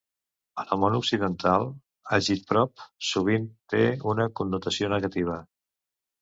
En el món occidental, "agitprop" sovint té una connotació negativa.